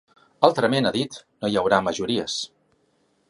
Altrament, ha dit, no hi haurà majories.